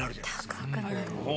高くなるの。